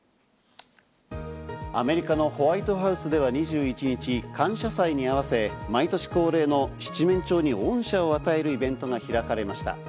アメリカのホワイトハウスでは２１日、感謝祭に合わせ毎年恒例の七面鳥に恩赦を与えるイベントが開かれました。